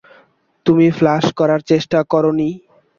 তুমি ফ্ল্যাস করার চেষ্টা করো নি?